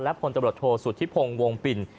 และคนตำรวจโธสุธิพงศ์วงปิน